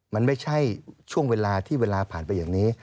มันไม่ใช่ช่วงเวลาที่เวลาผ่านไปอย่างนี้